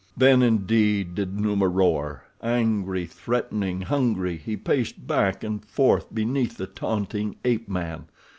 Then indeed did Numa roar. Angry, threatening, hungry, he paced back and forth beneath the taunting ape man.